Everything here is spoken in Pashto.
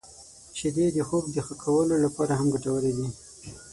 • شیدې د خوب د ښه کولو لپاره هم ګټورې دي.